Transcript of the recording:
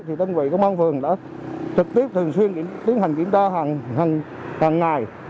thì tân quỳ công an phường đã trực tiếp thường xuyên tiến hành kiểm tra hàng ngày